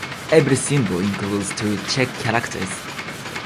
Every symbol includes two check characters.